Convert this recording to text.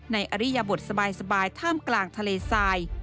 อริยบทสบายท่ามกลางทะเลทราย